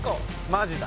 マジだ。